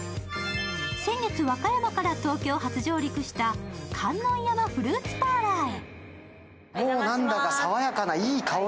先月和歌山から東京初上陸した観音山フルーツパーラーへ。